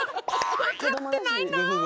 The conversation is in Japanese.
分かってないなあ。」